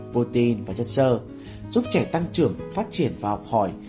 protein và chất sơ giúp trẻ tăng trưởng phát triển và học hỏi